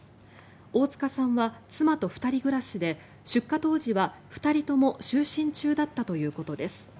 大塚さんは妻と２人暮らしで出火当時は２人とも就寝中だったということです。